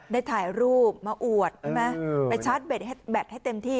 ได้ถ่ายรูปมาอวดใช่ไหมไปชาร์จแบตให้เต็มที่